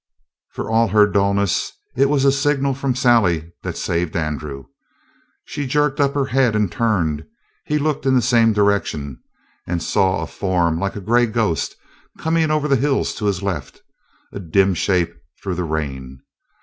For all her dullness, it was a signal from Sally that saved Andrew. She jerked up her head and turned; he looked in the same direction and saw a form like a gray ghost coming over the hills to his left, a dim shape through the rain.